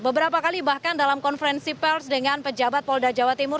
beberapa kali bahkan dalam konferensi pers dengan pejabat polda jawa timur